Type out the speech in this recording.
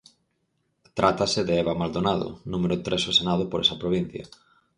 Trátase de Eva Maldonado, número tres ao Senado por esa provincia.